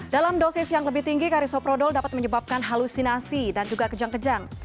dalam dosis yang lebih tinggi karisoprodol dapat menyebabkan halusinasi dan juga kejang kejang